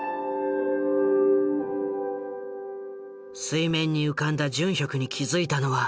水面に浮かんだジュンヒョクに気付いたのは。